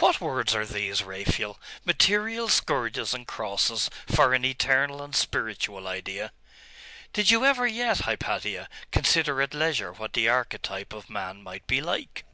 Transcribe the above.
'What words are these, Raphael? Material scourges and crosses for an eternal and spiritual idea?' 'Did you ever yet, Hypatia, consider at leisure what the archetype of man might be like?